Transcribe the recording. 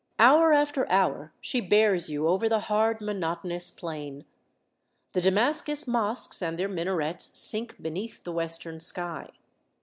Hour after hour she bears you over the hard monotonous plain. The Damascus mosques and their minarets sink beneath the western sky.